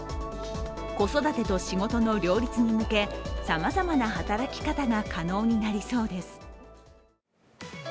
子育てと仕事の両立に向け、さまざまな働き方が可能になりそうです。